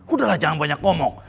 udah lah jangan banyak ngomong